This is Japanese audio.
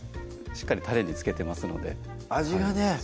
しっかりたれに漬けてますので味がね